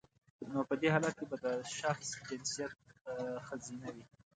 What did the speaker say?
نو په دی حالت کې به د شخص جنسیت خځینه وي